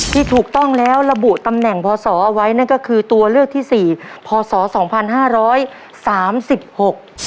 ที่ถูกต้องแล้วระบุตำแหน่งพอสอเอาไว้นั่นก็คือตัวเลือกที่สี่พศสองพันห้าร้อยสามสิบหก